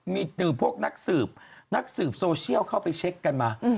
มีดื่มพวกนักสืบนักสืบโซเชียลเข้าไปเช็คกันมา